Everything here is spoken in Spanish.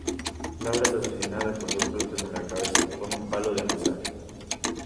Laura es asesinada con dos golpes en la cabeza con un palo de amasar.